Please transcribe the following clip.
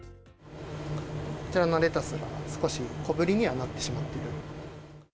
こちらのレタス、少し小ぶりにはなってしまっている。